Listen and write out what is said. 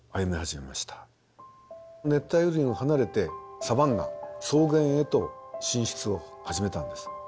熱帯雨林を離れてサバンナ草原へと進出を始めたんです。